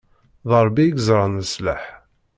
D Ṛebbi i yeẓran leṣlaḥ.